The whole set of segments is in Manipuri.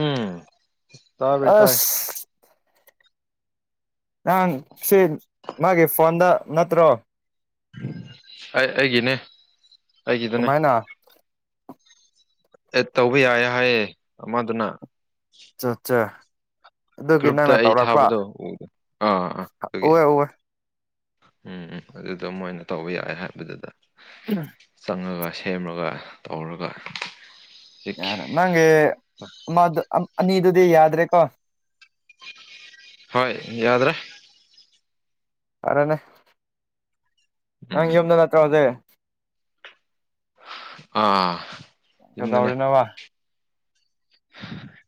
ꯎꯝ ꯇꯥꯕ꯭ꯔ ꯇꯥꯏ ꯑꯁ ꯅꯍꯥꯟ ꯁꯤꯝ ꯃꯥꯒꯤ ꯐꯣꯟꯗ ꯅꯠꯇ꯭ꯔꯣ ꯑꯩ ꯑꯩꯒꯤꯅꯦ ꯑꯩꯒꯤꯗꯅꯦ ꯀꯃꯥꯏꯅ ꯑꯦꯠ ꯇꯧꯕ ꯌꯥꯏꯌꯦ ꯍꯥꯏꯌꯦ ꯑꯃꯗꯨꯅ ꯆꯆꯥ ꯒ꯭ꯔꯨꯞꯇ ꯑꯩ ꯊꯥꯕꯗꯣ ꯎ ꯑꯥ ꯑꯥ ꯑꯗꯨꯒꯤ ꯎꯋꯦ ꯎꯋꯦ ꯎꯝ ꯎꯝ ꯑꯗꯨꯗꯣ ꯃꯣꯏꯅ ꯇꯧꯕ ꯌꯥꯏ ꯍꯥꯏꯕꯗꯨꯗ ꯎꯝ ꯆꯪꯉꯒ ꯁꯦꯝꯃꯒ ꯇꯧꯔꯒ ꯌꯥꯔ ꯅꯪ ꯃꯗꯨ ꯑꯅꯤꯗꯨꯗꯤ ꯌꯥꯗ꯭ꯔꯦ ꯀꯣ ꯍꯣꯏ ꯌꯥꯗ꯭ꯔꯦ ꯑꯔꯅꯦ ꯅꯪ ꯎꯝ ꯌꯨꯝꯗ ꯅꯠꯇꯔꫭ ꯑꯗꯤ ꯑ ꯌꯨꯝꯗꯅꯦ ꯀꯩꯗꯧꯔꯤꯅꯣꯕ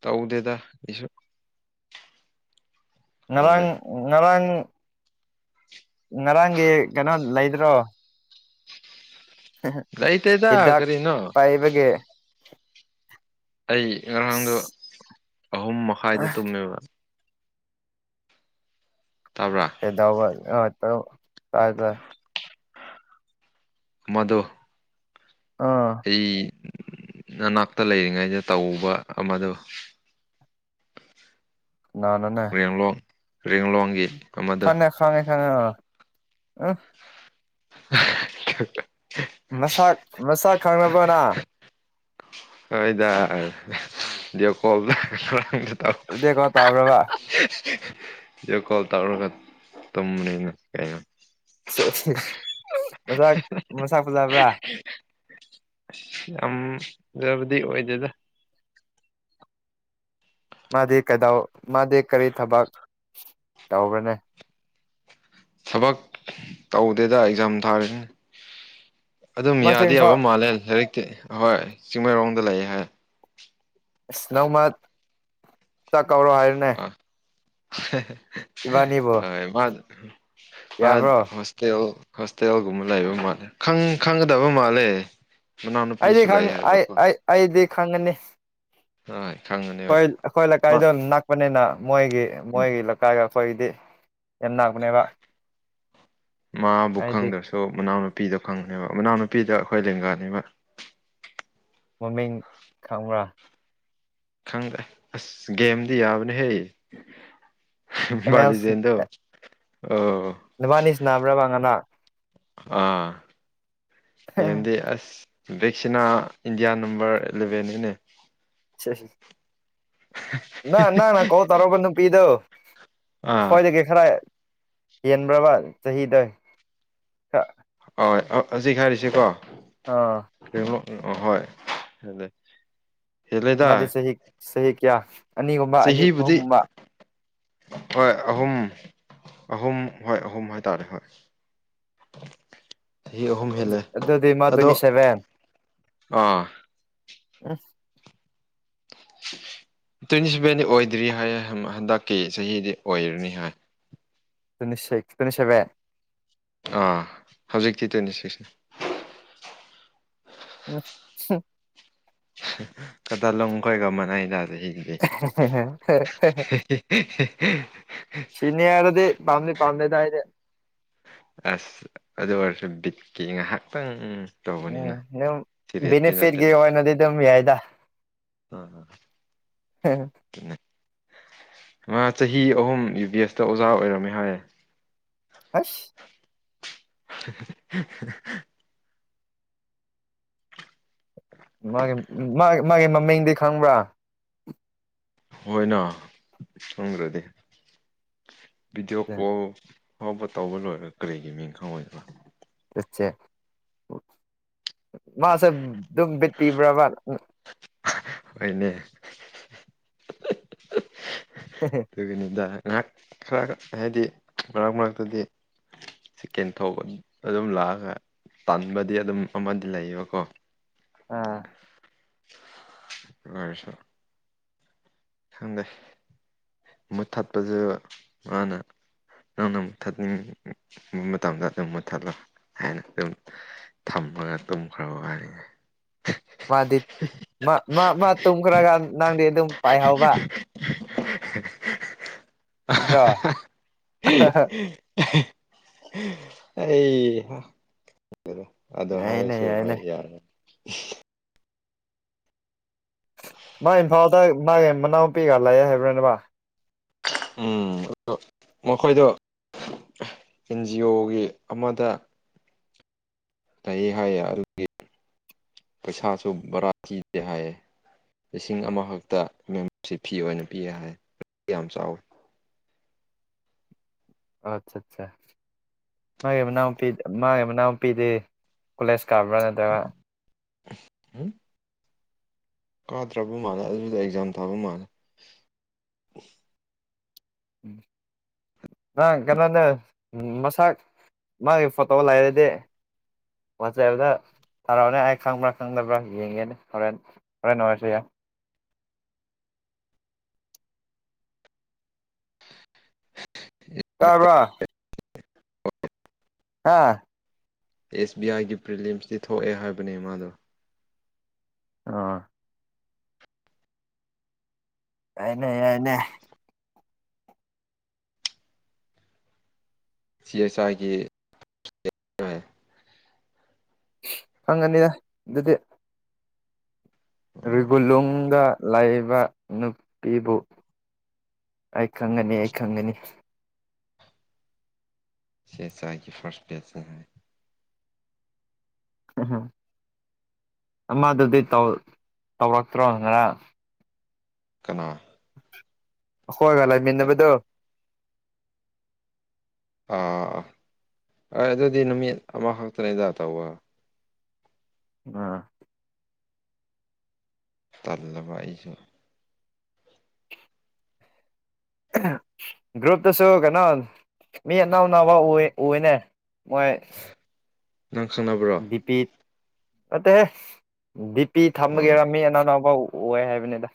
ꯇꯧꯗꯦꯗ ꯀꯩꯁꯨ ꯇꯧꯗꯦ ꯉꯔꯥꯡ ꯉꯔꯥꯡ ꯉꯔꯥꯡꯒꯤ ꯀꯩꯅꯣ ꯂꯩꯗ꯭ꯔꯣ ꯂꯩꯇꯦꯗ ꯀꯔꯤꯅꯣ ꯑꯩꯕꯒꯤ ꯑꯩ ꯉꯔꯥꯡꯗꯣ ꯑꯁ ꯑꯍꯨꯝ ꯃꯈꯥꯏꯗ ꯇꯨꯝꯃꯦꯕ ꯇꯥꯕ꯭ꯔꯥ ꯀꯩꯗꯧꯕ [unintelligible] ꯃꯗꯣ ꯑꯥ ꯑꯩ ꯅꯅꯥꯛꯇ ꯂꯩꯔꯤꯉꯩꯗ ꯇꯧꯕ ꯑꯃꯗꯣ [unintelligible] [unintelligible] ꯑꯃꯗꯣ ꯈꯪꯉꯦ ꯈꯥꯉꯦ ꯈꯥꯉꯦ ꯑꯥ [unintelligible] ꯃꯁꯥꯛ ꯃꯁꯥꯛ ꯈꯪꯅꯕꯅꯪ ꯍꯣꯏꯗ ꯀꯣꯜ [unintelligible] ꯇꯧ [unintelligible] ꯚꯤꯗꯤꯑꯣ ꯀꯣꯜ ꯇꯧꯕ꯭ꯔꯕ ꯕꯤꯗꯤꯌꫭ ꯀꯣꯜ ꯇꯧꯔꯒ ꯇꯨꯝꯕꯅꯤꯅ ꯀꯩꯅꯣ ꯃꯁꯛ ꯃꯁꯛ ꯐꯖꯕ꯭ꯔꯥ ꯌꯥꯝ ꯐꯖꯕꯗꯤ ꯑꯣꯏꯗꯦꯗ ꯃꯥꯗꯤ ꯀꯗꯧ ꯃꯥꯗꯤ ꯀꯔꯤ ꯊꯕꯛ ꯇꯧꯕ꯭ꯔꯅꯦ ꯊꯕꯛ ꯇꯧꯗꯦꯗ ꯑꯦꯛꯖꯥꯝ ꯊꯥꯔꯤꯅꯤ ꯑꯗꯨꯝ ꯃꯥꯁꯨ ꯌꯥꯗꯤ ꯌꯥꯕ ꯏꯝꯐꯥꯜ ꯃꯥꯜꯂꯦ ꯂꯥꯏꯔꯤꯛꯇꯤ ꯍꯣꯏ ꯆꯤꯡꯃꯩꯔꯣꯡꯗ ꯂꯩꯑꯦ ꯍꯥꯏ ꯑꯁ ꯅꯣꯡꯃ ꯆꯥꯛ ꯀꯧꯔꯣ ꯍꯥꯏꯔꯦꯅꯦ ꯑ ꯍꯣꯏ ꯏꯕꯥꯅꯤꯕꯨ ꯍꫭꯏ ꯃꯥꯅ ꯌꯥꯕ꯭ꯔꯣ ꯃꯥ ꯀꯦꯑꫭ ꯍꯣꯁꯇꯦꯜꯒꯨꯝꯕ ꯂꯩꯕ ꯃꯥꯜꯂꯦ ꯈꯪ ꯈꯪꯒꯗꯕ ꯃꯥꯜꯂꯦ ꯑꯩꯗꯤ ꯃꯅꯥꯎꯅꯨꯄꯤꯁꯨ ꯂꯩꯌꯦ ꯈꯪ ꯑꯩ ꯍꯥꯏꯕꯀꯣ ꯑꯩ ꯑꯩꯗꯤ ꯈꯪꯉꯅꯤ ꯍꯣꯏ ꯈꯪꯒꯅꯤ ꯑꯩꯈꯣꯏ ꯑꯩꯈꯣꯏ ꯂꯩꯀꯥꯏꯗꯣ ꯅꯛꯄꯅꯤꯅ ꯃꯣꯏꯒꯤ ꯎꯝ ꯃꯣꯏꯒꯤ ꯂꯩꯀꯥꯏꯒ ꯑꯩꯈꯣꯏꯒꯤꯗꯤ ꯌꯥꯝꯅ ꯃꯥꯕꯨ ꯑꯩꯗꯤ ꯈꯪꯗꯁꯦ ꯑꯗꫭ ꯃꯅꯥꯎꯅꯨꯄꯤꯗꯣ ꯈꯪꯕꯅꯦꯕ ꯃꯅꯥꯎꯅꯨꯄꯤꯗꫭ ꯑꯩꯈꯣꯏ ꯂꯦꯡꯒꯥꯅꯦꯕ ꯃꯃꯤꯡ ꯈꯪꯕ꯭ꯔꯥ ꯈꯪꯗ꯭ꯔꯦ ꯑꯁ ꯒꯦꯝꯗꯤ ꯌꯥꯕꯅꯦꯍꯦ ꯑꯦꯝ ꯑꯦꯜ ꯕꯥꯂꯤꯖꯦꯟꯗꯣ ꯑꯣ ꯅꯨꯕꯥꯅꯤ ꯁꯥꯟꯅꯕꯔꯕ ꯉꯔꯥꯡ ꯑꯥ ꯒꯦꯝꯗꯤ ꯑꯁ ꯚꯦꯛꯁꯤꯅꯥ ꯏꯟꯗꯤꯌꯥ ꯅꯝꯕꯔ ꯑꯦꯂꯦꯚꯦꯟ ꯅꯤꯅꯦ ꯆꯩ ꯎ [unintelligible] ꯅ ꯅ ꯅ ꯀꯣꯜ ꯇꯧꯔꯨꯕ ꯅꯨꯄꯤꯗꯨ ꯑꯥ ꯑꯩꯈꫭꯏꯗꯒꯤ ꯈꯔ ꯍꯦꯟꯕ꯭ꯔꯕ ꯆꯍꯤꯗ ꯑꯣꯏ ꯑꫭ ꯍꯧꯖꯤꯛ ꯍꯥꯏꯔꯤꯁꯤꯀꯣ ꯑꯥ [unintelligible] ꯍꯦꯜꯂꯦꯗ ꯃꯗꯤ ꯁꯍꯤ ꯁꯍꯤ ꯀꯌꯥ ꯑꯅꯤꯒꯨꯝꯕ ꯑꯅꯤ ꯆꯍꯤꯕꯨꯗꯤ ꯑꯍꯨꯝꯒꯨꯝꯕ ꯍꯣꯏ ꯑꯍꯨꯝ ꯑꯍꯨꯝ ꯍꯣꯏ ꯑꯍꯨꯝ ꯍꯥꯏꯇꯥꯔꯦ ꯍꯣꯏ [inaudible] ꯆꯍꯤ ꯑꯍꯨꯝ ꯍꯦꯜꯂꯦ ꯑꯗꯨꯗꯤꯃ ꯑꯗꯣ ꯇ꯭ꯋꯦꯟꯇꯤ ꯁꯦꯚꯦꯟ ꯑꯥ ꯇ꯭ꯋꯦꯟꯇꯤ ꯁꯚꯦꯟꯗꯤ ꯑꯣꯏꯗ꯭ꯔꯤ ꯍꯥꯏ ꯍꯟꯗꯛꯀꯤ ꯆꯍꯤꯗꯤ ꯑꯣꯏꯔꯅꯤ ꯍꯥꯏ [unintelligible] ꯑꯥ ꯍꯧꯖꯤꯛꯇꯤ ꯇ꯭ꯋꯦꯟꯇꯤ ꯁꯤꯛꯁꯅꯤ [unintelligible] [unintelligible] ꯎ ꯎ [unintelligible] ꯁꯤꯅꯤꯌꯥꯗꯨꯗꯤ ꯄꯝꯗꯦ ꯄꯝꯗꯦꯗ ꯑꯩꯗꯤ ꯑꯁ ꯑꯗꯨ ꯑꯣꯏꯔꯁꯨ ꯕꯤꯠꯀꯤ ꯉꯥꯏꯍꯥꯛꯇꯪ ꯇꯧꯕꯅꯤꯅ ꯎꯝ ꯁꯤꯔꯤꯌꯁꯇꯤ ꯕꯤꯅꯤꯐꯤꯠ ꯀꯤ ꯅꯠꯇꯦꯅ ꯑꫭꯏꯅꯗꯤ ꯑꯗꯨꯝ ꯌꯥꯏꯗ ꯑꯥ ꯑꯥ ꯃꯥ ꯆꯍꯤ ꯑꯍꯨꯝ ꯌꯨ ꯕꯤ ꯑꯦꯁꯇ ꯑꯣꯖꯥ ꯑꯣꯏꯔꯝꯃꯦ ꯍꯥꯏꯌꯦ ꯑꯁ [unintelligible] [unintelligible] ꯃꯥꯒꯤ ꯃꯥ ꯃꯥꯒꯤ ꯃꯃꯤꯡꯗꯤ ꯈꯪꯕ꯭ꯔꯥ ꯍꯣꯏꯅ ꯈꯪꯗꯔꯗꯤ ꯚꯤꯗꯤꯑꯣ ꯀꯣꯜ ꯑꯐꯥꯎꯕ ꯇꯧꯕ ꯂꯣꯏꯔꯒ ꯀꯔꯤꯒꯤ ꯃꯤꯡ ꯈꯪꯉꯣꯏꯗꯅꯥ ꯆꯠꯁꯦ ꯃꯥꯁꯦ ꯑꯗꯨꯝ ꯕꯤꯠꯄꯤꯕ꯭ꯔꯕ ꯍꯣꯏꯅꯦ ꯑꯗꯨꯒꯤꯅꯤꯗ ꯉꯥꯏꯍꯥꯛ ꯈꯔ ꯍꯥꯏꯗꯤ ꯃꯔꯛ ꯃꯔꯛꯇꯗꯤ ꯆꯤꯛꯀꯦꯟ ꯊꯧꯕ ꯑꯗꯨꯝ ꯂꯥꯛꯑꯒ ꯇꯥꯟꯕꯗꯤ ꯑꯗꯨꯝ ꯑꯃꯗꯤ ꯂꯩꯌꯦꯕꯀꯣ ꯑꯥ [unintelligible] ꯈꯪꯗꯦ ꯃꯨꯠ ꯊꯠꯄꯁꯨ ꯃꯥꯅ ꯅꯪꯅ ꯃꯨꯠ ꯊꯠꯅꯤꯡꯕ ꯃꯇꯝꯗ ꯑꯗꯨꯝ ꯃꯨꯠꯊꯠꯂꯣ ꯍꯥꯏꯅ ꯑꯗꯨꯝ ꯊꯝꯃꯒ ꯇꯨꯝꯈ꯭ꯔꯕ ꯋꯥꯔꯤꯅꯤ ꯃꯥꯗꯤꯞ ꯃꯥ ꯃꯥ ꯃꯥ ꯇꯨꯈꯔꯒꯥꯟ ꯅꯪꯗ [unintelligible] ꯅꯠꯇ꯭ꯔꯣ [unintelligible] ꯑꯩ ꯑꯗ ꯌꯥꯏꯅꯦ ꯍꯥꯏꯔꯁꯨ ꯌꯥꯏꯅꯦ ꯍꯣꯏ ꯌꯥꯔꯦ [unintelligible] ꯃꯥ ꯏꯝꯐꯥꯜꯗ ꯃꯥꯒꯤ ꯃꯅꯥꯎꯄꯤꯒ ꯂꯥꯛꯑꯦ ꯍꯥꯏꯕ꯭ꯔꯥꯅꯦꯕ ꯎꯝ ꯑ ꯃꯈꯣꯏꯗꯣ ꯑꯦꯟꯖꯤ ꯑꯣꯒꯤ ꯑꯃꯗ ꯂꯩ ꯍꯥꯏꯌꯦ ꯑꯗꯨꯒꯤ ꯄꯩꯁꯥꯁꯨ ꯕꯔꯥ ꯊꯤꯗꯦ ꯍꯥꯏꯌꯦ ꯂꯤꯁꯤꯡ ꯑꯃꯈꯛꯇ ꯃꯦꯝꯕꯔꯁꯤꯞ ꯐꯤ ꯑꯣꯏꯅ ꯄꯤꯌꯦ ꯍꯥꯏ ꯌꯥꯝ ꯆꯥꯎꯋꯤ [unintelligible] ꯃꯥꯒꯤ ꯃꯅꯥꯎꯅꯄꯤ ꯃꯥꯒꯤ ꯃꯅꯥꯎꯅꯨꯄꯤꯗꯤ ꯀꯣꯂꯦꯖ ꯀꯥꯕ꯭ꯔꯥ ꯅꯠꯇ꯭ꯔꯒ ꯎꯝ ꯀꯥꯗ꯭ꯔꯕ ꯃꯥꯜꯂꯦ ꯑꯗꯨꯗ ꯑꯦꯛꯖꯥꯝ ꯊꯥꯕ ꯃꯥꯜꯂꯦ [unintelligible] ꯅꯪ ꯀꯩꯅꯣꯅꯦ ꯃꯁꯛ ꯃꯥꯒꯤ ꯐꯣꯇꯣ ꯂꯩꯔꯗꯤ ꯋꯥꯆꯦꯞꯗ ꯇꯥꯔꯛꯑꯣꯅꯦ ꯑꯩ ꯈꯪꯕ꯭ꯔꯥ ꯈꯪꯗꯕ꯭ꯔꯥ ꯌꯦꯡꯒꯦꯅꯦ ꯍꯣꯔꯦꯟ ꯍꯣꯔꯦ ꯑꯣꯏꯁꯨ ꯌꯥ [unintelligible] ꯇꯥꯕ꯭ꯔꯥ ꯍꯥꯥ ꯑꯦꯁ ꯕꯤ ꯑꯥꯏꯒꯤ ꯄ꯭ꯔꯤꯂꯤꯌꯝꯁꯇꯤ ꯊꯣꯛꯑꯦ ꯍꯥꯏꯕꯅꯦ ꯃꯥꯅ ꯑꯥ ꯅꯩ ꯅꯩꯔꯦꯅꯦ [inaudible] ꯁꯤ ꯑꯦ ꯁꯥꯏꯒꯤ ꯈꯪꯡꯒꯅꯤꯗ ꯑꯗꯨꯗꯤ ꯎꯝ ꯔꯤꯒꯨꯂꯨꯡꯒ ꯂꯩꯕ ꯅꯨꯄꯤꯕꯨ ꯑꯩ ꯈꯪꯒꯅꯤ ꯑꯩ ꯈꯪꯒꯅꯤ ꯁꯦꯁꯥꯏꯒꯤ ꯐꯥꯔꯁ ꯄ꯭ꯂꯦꯁꯟ ꯍꯥꯏ ꯎꯝ ꯑꯃꯗꯨꯗꯤ ꯇꯧ ꯇꯧꯔꯛꯇ꯭ꯔꯣ ꯉꯔ ꯀꯅꯥ ꯑꯩꯈꯣꯏꯒꯥ ꯂꯩꯃꯤꯟꯅꯕꯗꯣ ꯑꯥ ꯑꯥ ꯍꯣꯏ ꯑꯗꯨꯗꯤ ꯅꯨꯃꯤꯠ ꯑꯃꯈꯛꯇꯅꯤꯗ ꯇꯧꯕ ꯑ ꯇꯜꯂꯕ ꯑꯩꯁꯨ ꯑꯍꯦꯝ ꯒꯔꯨꯞꯇꯁꯨ ꯀꯩꯅꯣ ꯃꯤ ꯑꯅꯧꯑꯅꯧꯕ [unintelligible] ꯎꯏꯅꯦ ꯃꯣꯏ ꯅꯪ ꯈꯪꯅꯕ꯭ꯔꯣ ꯗꯤꯄꯤ ꯅꯠꯇꯦꯍꯦ ꯗꯤꯄꯤ ꯑꯣ ꯊꯝꯃꯒꯦꯔ ꯃꯤ ꯑꯅꯧ-ꯑꯅꯧꯕ ꯎꯅ ꯑꯣꯏ ꯍꯥꯏꯕꯅꯤꯗ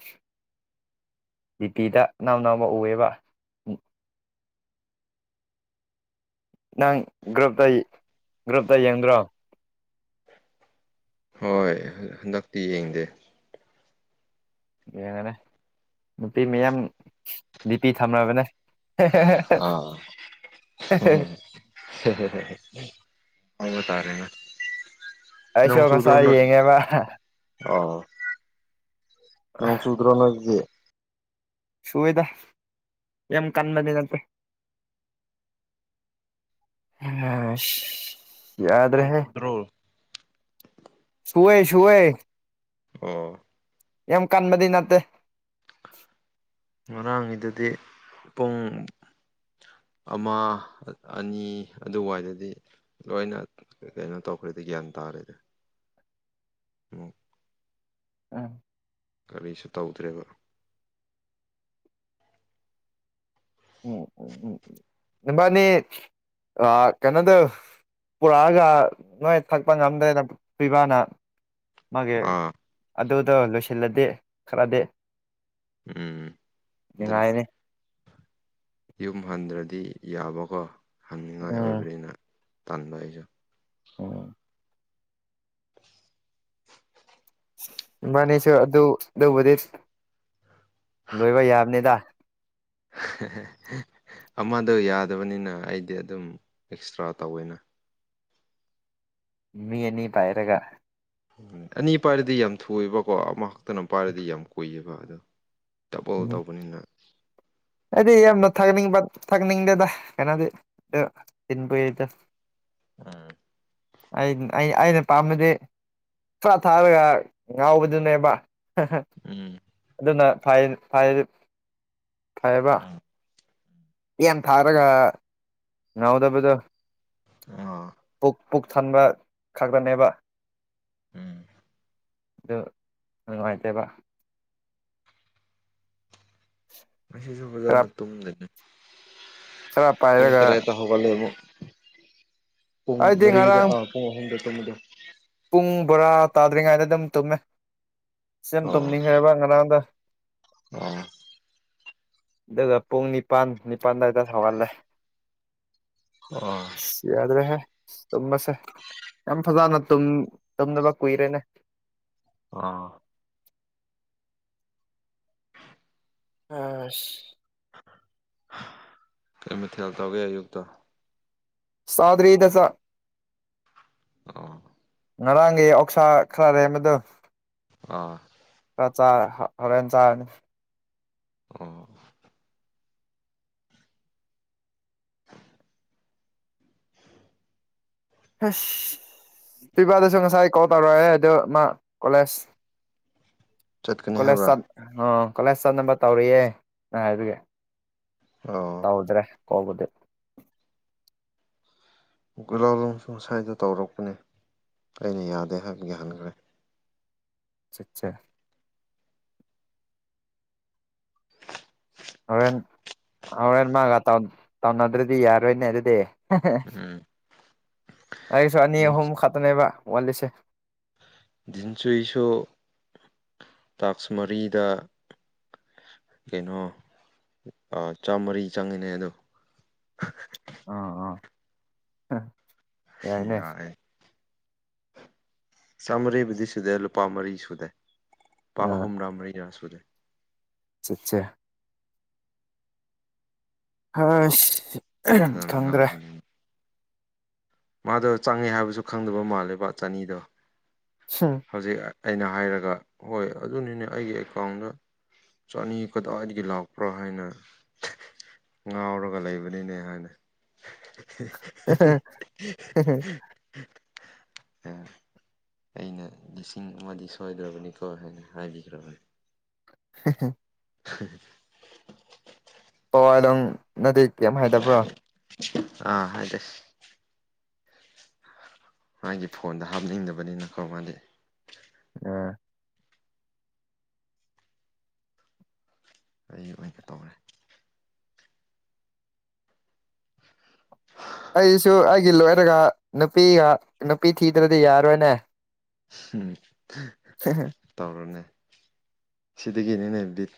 ꯗꯤꯄꯤꯗ ꯑꯅꯧ-ꯑꯅꯧꯕ ꯎꯌꯦꯕ ꯅꯪ ꯒ꯭ꯔꯨꯞꯇ-ꯒ꯭ꯔꯨꯞꯇ ꯌꯦꯡꯗ꯭ꯔꯣ ꯍꯣꯏ ꯍꯟꯗꯛꯇꯤ ꯌꯦꯡꯗꯦ ꯌꯦꯡꯉꯅꯦ ꯅꯨꯄꯤ ꯃꯌꯥꯝ ꯗꯤꯄꯤ ꯊꯝꯔꯕꯅꯦ ꯑꯣ [unintelligible] ꯍꯥꯏꯕꯥ ꯇꯥꯔꯦꯅꯦ ꯑꯩꯁꯨ ꯅꯣꯡ ꯆꯨꯗ꯭ꯔꯣ ꯉꯁꯥꯏ ꯅꯣꯏ ꯌꯦꯡꯉꯦꯕ ꯑꯣ ꯅꯣꯡ ꯆꯨꯗ꯭ꯔꯣ ꯅꯣꯏꯒꯤ ꯁꯨꯋꯦꯗ ꯌꯥꯝ ꯀꯟꯕꯗꯤ ꯅꯠꯇꯦ ꯑꯁ ꯑꯗꯣꯡ ꯊꯤꯗ꯭ꯔꯣ ꯁꯨꯋꯦ ꯁꯨꯋꯦ ꯑꯣ ꯌꯥꯝ ꯀꯟꯕꯗꯤ ꯅꯠꯇꯦ ꯉꯔꯥꯡꯒꯤꯗꯨꯗꯤ ꯄꯨꯡ ꯑꯃ ꯑꯅꯤ ꯑꯗꯨꯋꯥꯏꯗꯗꯤ ꯂꯣꯏꯅ ꯀꯩꯅꯣ ꯇꯧꯈ꯭ꯔꯦꯗꯤ ꯒ꯭ꯌꯥꯟ ꯇꯥꯔꯦꯗ ꯎꯝ ꯎꯝ ꯀꯥꯔꯤꯁꯨ ꯇꯧꯗ꯭ꯔꯦꯕ ꯎꯝ-ꯎꯝ ꯅꯕꯥꯅꯤ ꯑꯥ ꯀꯩꯅꯣꯗꯣ ꯄꯨꯔꯛꯑꯒ ꯅꯣꯏ ꯊꯛꯄ ꯉꯝꯗ꯭ꯔꯦꯅ ꯄꯤꯕꯥꯅ ꯃꯥꯒꯤ ꯑꯥ ꯑꯗꯨꯗꯣ ꯂꯣꯏꯁꯤꯜꯂꯗꯤ ꯈꯔꯗꯤ ꯎꯝ ꯑꯗꯨꯅꯦ ꯅꯨꯡꯉꯥꯏꯅꯤ ꯌꯨꯝ ꯍꯟꯗ꯭ꯔꯗꯤ ꯌꯥꯕꯀꯣ ꯍꯪꯅꯤꯡꯉꯥꯏ ꯎꯝ ꯑꯣꯏꯕꯅꯤꯅ ꯇꯥꯟꯕ ꯑꯩꯁꯨ ꯎꯝ ꯏꯕꯅꯤꯁꯨ ꯑꯗꯨ ꯑꯗꯨꯕꯨꯗꯤ ꯂꯣꯏꯕ ꯌꯥꯕꯅꯤꯗ [inaudible] ꯑꯃꯗꯣ ꯌꯥꯗꯕꯅꯤꯅ ꯑꯩꯗꯤ ꯑꯗꯨꯝ ꯑꯦꯛꯁꯇ꯭ꯔꯥ ꯇꯧꯋꯦꯅ ꯃꯤ ꯑꯅꯤ ꯄꯥꯏꯔꯒ ꯑꯅꯤ ꯄꯥꯏꯔꯗꯤ ꯌꯥꯝ ꯊꯨꯏꯑꯕꯀꯣ ꯑꯃꯈꯛꯇꯅ ꯄꯥꯏꯔꯗꯤ ꯌꯥꯝ ꯀꯨꯏꯌꯦꯕ ꯑꯗꯣ ꯗꯕꯜ ꯎꯝ ꯇꯧꯕꯅꯤꯅ ꯑꯩꯗꯤ ꯌꯥꯝꯅ ꯊꯥꯛꯅꯤꯡꯕ ꯊꯥꯛꯅꯤꯡꯗꯦꯗ ꯀꯩꯅꯣꯗꯤ [unintelligible] ꯑꯩꯅ ꯑꯩ ꯑꯩꯅ ꯄꯥꯝꯕꯗꯤ ꯆꯥꯊꯔꯒ ꯉꯥꯎꯕꯗꯨꯅꯦꯕ ꯎꯝ ꯑꯗꯨꯅ ꯐꯩ ꯐꯩ ꯐꯩꯌꯦꯕ ꯌꯥꯝ ꯊꯥꯔꯒ ꯉꯥꯎꯗꯕꯗꯣ ꯑꯥ ꯄꯨꯛ ꯄꯨꯛ ꯊꯟꯕ ꯈꯛꯇꯅꯦꯕ ꯎꯝ ꯑꯗꯨ ꯅꯨꯡꯉꯥꯏꯇꯦꯕ ꯉꯥꯁꯤꯁꯨ ꯈꯔ ꯐꯖꯅꯥ ꯇꯨꯝꯗ꯭ꯔꯦꯅꯦ ꯈꯔ ꯄꯨꯡ ꯄꯥꯏꯔꯒ ꯇꯔꯦꯠꯇ ꯍꯧ ꯍꯧꯒꯠꯂꯦ ꯑꯃꯨꯛ ꯄꯨꯡ ꯑꯩꯗꯤ ꯃꯔꯤꯗ ꯉꯔꯥꯡ ꯄꯨꯡ ꯑꯍꯨꯝꯗ ꯇꯨꯝꯕꯗꯣ ꯄꯨꯡ ꯕꯥꯔꯣ ꯇꯥꯗ꯭ꯔꯤꯉꯩꯗ ꯑꯗꯨꯝ ꯇꯨꯝꯃꯦ ꯁꯤ ꯌꯥꯝ ꯑꯣ ꯇꯨꯝꯅꯤꯡꯈ꯭ꯔꯦꯕ ꯉꯔꯥꯡꯗꯣ ꯑꯣ ꯑꯗꯨꯒ ꯄꯨꯡ ꯅꯤꯄꯜ ꯅꯤꯄꯜ ꯑꯗꯨꯋꯥꯏꯗ ꯍꯧꯒꯠꯂꯦ ꯑꯣ ꯑꯁ ꯌꯥꯗ꯭ꯔꯦꯍꯦ ꯑꯁ ꯇꯨꯝꯕꯁꯦ ꯌꯥꯝ ꯐꯖꯅ ꯇꯨꯝ ꯇꯨꯝꯗꯕ ꯀꯨꯏꯔꯦꯅꯦ ꯑꯥ ꯑꯁ ꯀꯩ ꯃꯊꯦꯜ ꯇꯧꯒꯦ ꯑꯌꯨꯛꯇ ꯆꯥꯗ꯭ꯔꯤꯗ ꯆꯥꯛ ꯑꯣ ꯉꯔꯥꯡꯒꯤ ꯑꯣꯛꯁꯥ ꯈꯔ ꯂꯦꯝꯕꯗꯨ ꯑꯥ ꯔ ꯆꯥꯔ ꯍꯣꯔꯦꯟ ꯆꯥꯔꯅꯤ ꯑꯣ ꯍꯁ ꯇꯤꯕꯗꯨꯁꯨ ꯉꯁꯥꯏ ꯀꯣꯜ ꯇꯧꯔꯛꯑꯦ ꯑꯗꯨ ꯃꯥ ꯀꯣꯂꯦꯖ ꯆꯠꯀꯅꯤ ꯀꯣꯂꯦꯖ ꯍꯥꯏꯕ꯭ꯔꯥ ꯆꯠ ꯑ ꯀꯣꯂꯦꯖ ꯆꯠꯅꯕ ꯇꯧꯔꯤꯌꯦ [unintelligible] ꯑꯣ ꯍꯧꯗ꯭ꯔꯦ ꯀꯧꯕꯗꯤ [unintelligible] ꯁꯨ ꯉꯁꯥꯏꯗꯣ ꯇꯧꯔꯛꯄꯅꯦ ꯑꯩꯅ ꯌꯥꯗꯦ ꯍꯥꯏꯕꯒꯤ ꯍꯟꯈ꯭ꯔꯦ ꯆꯥ ꯆꯥ ꯍꯣꯔꯦꯟ ꯍꯣꯔꯦꯟ ꯃꯥꯒ ꯇꯧꯅꯗ꯭ꯔꯗꯤ ꯌꯥꯔꯣꯏꯅꯦ ꯑꯗꯨꯗꯤ ꯎꯝ ꯑꯩꯁꯨ ꯑꯅꯤ ꯑꯍꯨꯝ ꯈꯛꯇꯅꯦꯕ ꯋꯥꯠꯂꯤꯁꯦ ꯗꯤꯟꯆꯣꯏꯁꯨ ꯇꯥꯛꯁ ꯃꯔꯤꯗ ꯀꯩꯅꯣ ꯆꯥꯝꯃꯔꯤ ꯆꯪꯉꯤꯅꯦ ꯑꯗꯣ ꯑ ꯑꯥ ꯌꯥꯏꯅꯦ ꯌꯥꯏ ꯆꯥꯝꯃꯔꯤꯕꯨꯗꯤ ꯁꯨꯗꯦ ꯂꯨꯄꯥ ꯃꯔꯤ ꯁꯨꯗꯦ ꯂꯨꯄꯥ ꯑꯥ ꯑꯍꯨꯝꯔꯥ ꯃꯔꯤꯔꯥ ꯁꯨꯗꯦ ꯆꯥ ꯆꯥ ꯍꯁ ꯐꯖꯅ ꯈꯪꯗ꯭ꯔꯦ ꯉꯥꯡꯕꯅꯤꯅ ꯃꯥꯗꯣ ꯆꯪꯉꯦ ꯍꯥꯏꯕꯁꯨ ꯈꯪꯗꯕ ꯃꯥꯜꯂꯦꯕ ꯆꯥꯅꯤꯗꯣ ꯍꯝ ꯍꯧꯖꯤꯛ ꯑꯩꯅ ꯍꯥꯏꯔꯒ ꯍꯣꯏ ꯑꯗꯨꯅꯤꯅꯦ ꯑꯩꯒꯤ ꯑꯦꯀꯥꯎꯟꯗ ꯆꯥꯅꯤ ꯀꯗꯥꯏꯗꯒꯤ ꯂꯥꯛꯄ꯭ꯔꯥ ꯍꯥꯏꯅ ꯉꯥꯎꯔꯒ ꯂꯩꯕꯅꯤꯅꯦ ꯍꯥꯏꯅ ꯑ ꯑꯩꯅ ꯂꯤꯁꯤꯡ ꯑꯃꯗꯤ ꯁꯣꯏꯗ꯭ꯔꯕꯅꯤꯀꯣ ꯍꯥꯏꯅ ꯍꯥꯏꯕꯤꯈ꯭ꯔꯕꯅꯤ [inaudible] [inaudible] ꯄꯋꯥꯗꯪ ꯅꯠꯗꯦ ꯀꯔꯤꯝ ꯍꯥꯏꯗꯕ꯭ꯔꯥ ꯑꯥ ꯍꯥꯏꯗꯦ꯫ ꯃꯥꯒꯤ ꯐꯣꯟꯗ ꯍꯥꯞꯅꯤꯡꯗꯕꯅꯤꯅꯀꯣ ꯃꯥꯗꯤ꯫ ꯑ꯫ ꯑꯩ ꯑꯣꯏꯅ ꯇꯧꯔꯦ꯫ [inaudible] ꯑꯩꯁꯨ ꯑꯩꯒꯤ ꯂꯣꯏꯌꯔꯒ ꯅꯨꯄꯤꯒ ꯅꯨꯄꯤ ꯊꯤꯗ꯭ꯔꯗꯤ ꯌꯥꯔꯣꯏꯅꯦ꯫ [inaudible] [inaudible] ꯇꯧꯔꯅꯦ ꯁꯤꯗꯒꯤꯅꯤꯅꯦ ꯕꯤꯠ